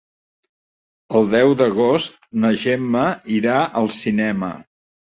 El deu d'agost na Gemma irà al cinema.